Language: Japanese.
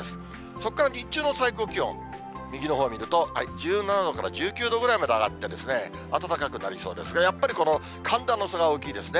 そこから日中の最高気温、右のほう見ると、１７度から１９度ぐらいまで上がって、暖かくなりそうですが、やっぱり寒暖の差が大きいですね。